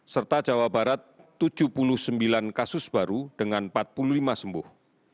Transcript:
serta jawa barat tujuh puluh sembilan kasus baru dengan empat puluh lima sembuh